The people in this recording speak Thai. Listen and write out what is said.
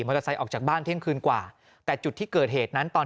เตอร์ไซค์ออกจากบ้านเที่ยงคืนกว่าแต่จุดที่เกิดเหตุนั้นตอน